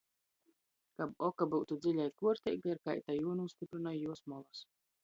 Kab oka byutu dziļa i kuorteiga, ir kaita juonūstyprynoj juos molys.